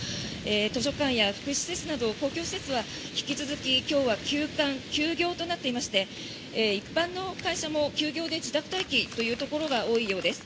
図書館や福祉施設など公共施設は引き続き今日は休館・休業となっていまして一般の会社も休業で自宅待機というところが多いようです。